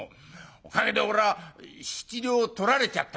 おかげで俺は７両取られちゃったい」。